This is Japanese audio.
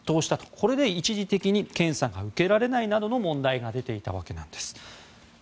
これで一時的に検査が受けられないなどの問題が出ていたわけです。